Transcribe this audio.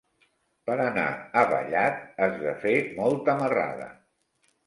Per anar a Vallat has de fer molta marrada.